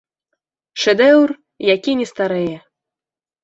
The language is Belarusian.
Шэдэўр, які не старэе.